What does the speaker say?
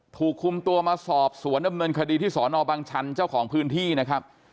ถูกคุมตัวมาสอบสวนดำเนินคดีที่สอนอบังชันเจ้าของพื้นที่นะครับ